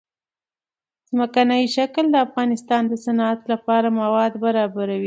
ځمکنی شکل د افغانستان د صنعت لپاره مواد برابروي.